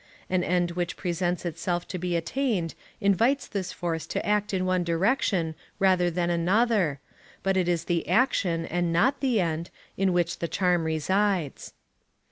An end which presents itself to be attained invites this force to act in one direction rather than another, but it is the action, and not the end, in which the charm resides.